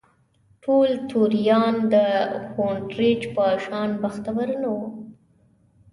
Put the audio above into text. ټول توریان د هونټریج په شان بختور نه وو.